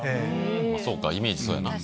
まぁそうかイメージそうやな。